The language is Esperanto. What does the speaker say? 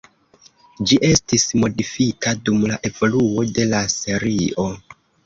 Ĝi estis modifita dum la evoluo de la serio.